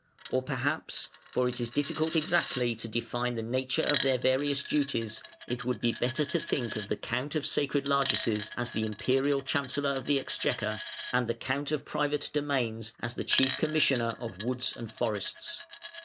Or perhaps, for it is difficult exactly to define the nature of their various duties, it would be better to think of the Count of Sacred Largesses as the Imperial Chancellor of the Exchequer, and the Count of Private Domains as the Chief Commissioner of Woods and Forests.